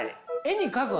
絵に描く？